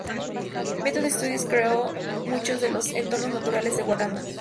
Method Studios creó muchos de los entornos naturales de Wakanda.